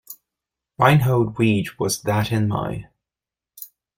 Reinhold Weege was that in mine.